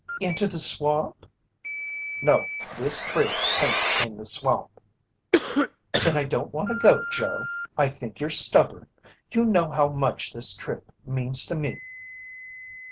"Into the swamp?" "No, this tree hain't in the swamp." "Then I don't want to go. Joe, I think you're stubborn! You know how much this trip means to me."